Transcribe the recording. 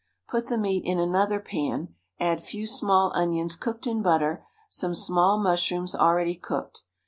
Put the meat in another pan, add few small onions cooked in butter, some small mushrooms already cooked.